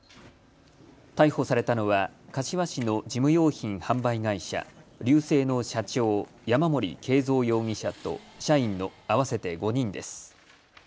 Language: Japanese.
逮捕されたのは柏市の事務用品販売会社、リューセイの社長、山森敬造容疑者と社員の合わせて５人です。